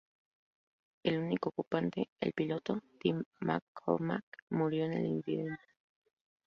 El único ocupante, el piloto, Tim McCormack, murió en el incidente.